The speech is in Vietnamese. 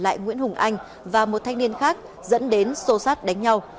lại nguyễn hùng anh và một thanh niên khác dẫn đến xô sát đánh nhau